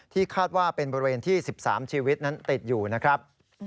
คาดว่าเป็นบริเวณที่๑๓ชีวิตนั้นติดอยู่นะครับ